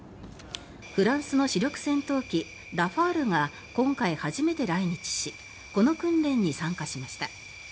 フランスの主力戦闘機ラファールが今回、初めて来日しこの訓練に参加しました。